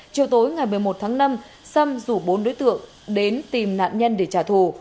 chiều tối ngày một mươi một tháng năm sâm rủ bốn đối tượng đến tìm nạn nhân để trả thù